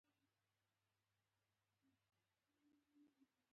د انسان برخلیکونه راته ښيي په پښتو ژبه.